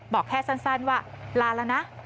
บอกแค่สั้นว่าลาแล้วนะ